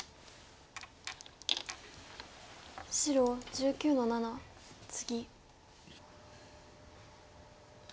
白１９の七ツギ。